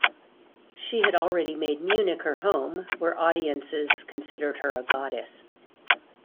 She had already made Munich her home, where audiences considered her a goddess.